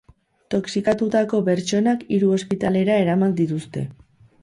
Toxikatutako pertsonak hiru ospitalera eraman dituzte.